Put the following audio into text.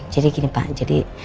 jadi gini pak jadi